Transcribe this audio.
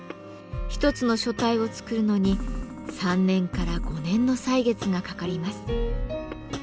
一つの書体を作るのに３年から５年の歳月がかかります。